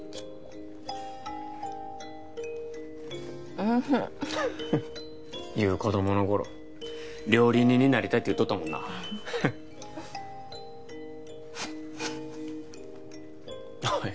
おいしい優子供の頃料理人になりたいって言っとったもんな何や？